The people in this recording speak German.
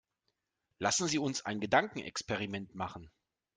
Lassen Sie uns ein Gedankenexperiment machen.